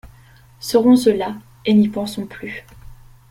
Serrons cela, et n'y pensons plus.